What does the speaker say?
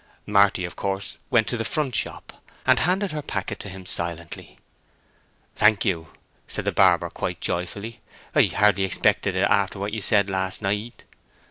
Marty, of course, went to the front shop, and handed her packet to him silently. "Thank you," said the barber, quite joyfully. "I hardly expected it after what you said last night."